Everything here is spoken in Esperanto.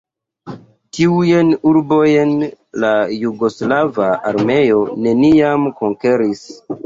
Tiujn urbojn la jugoslava armeo neniam konkeris.